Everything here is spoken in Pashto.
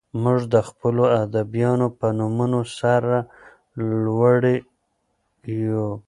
موږ د خپلو ادیبانو په نومونو سر لوړي یو.